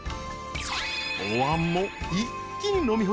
［おわんも一気に飲み干しコース